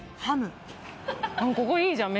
ここいいじゃん。